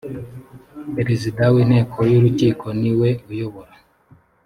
perezida w inteko y urukiko ni we uyobora